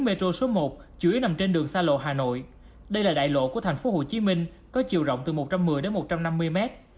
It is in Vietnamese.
metro số một chủ yếu nằm trên đường xa lộ hà nội đây là đại lộ của thành phố hồ chí minh có chiều rộng từ một trăm một mươi đến một trăm năm mươi mét